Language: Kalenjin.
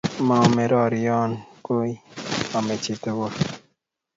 Maomei rorion koi, ame chi